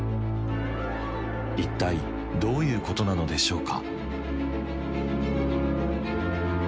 一体どういうことなのでしょうか？